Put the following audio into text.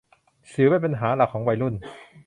สิวเป็นปัญหาหลักของวัยรุ่น